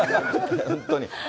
本当に。